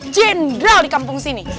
jendral di kampung sini